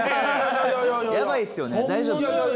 やばいですよね大丈夫ですか？